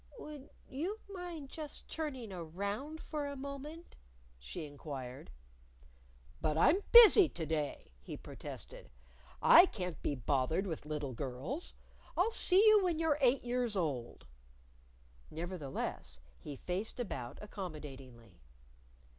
"Would you mind just turning around for a moment?" she inquired. "But I'm busy to day," he protested, "I can't be bothered with little girls. I'll see you when you're eight years old." Nevertheless he faced about accommodatingly.